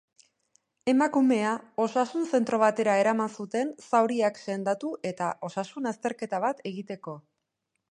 Emakumea osasun zentro batera eraman zuten zauriak sendatu eta osasun azterketa bat egiteko.